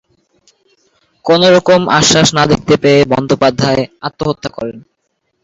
কোনও রকম আশ্বাস না দেখতে পেয়ে বন্দ্যোপাধ্যায় আত্মহত্যা করেন।